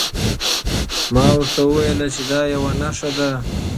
ما ورته وویل چې دا یوه نښه ده.